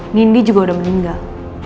nindi juga udah meninggal